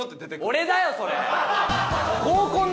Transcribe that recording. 俺だよそれ！